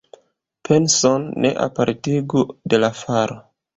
Penson ne apartigu de la faro.